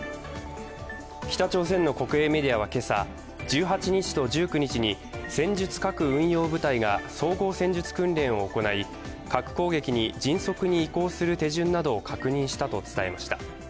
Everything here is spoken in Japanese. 北朝鮮の国営メディアは今朝、１８日と１９日に戦術核運用部隊が総合戦術訓練を行い核攻撃に迅速に移行する手順などを確認したと伝えました。